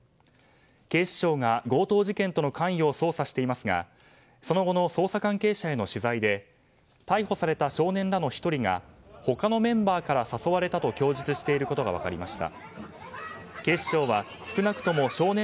警視庁が強盗事件との関与を捜査していますがその後の捜査関係者への取材で逮捕された少年らの１人が他のメンバーから誘われたと供述していることが分かりました。